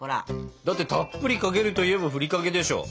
だってたっぷりかけるといえばふりかけでしょ。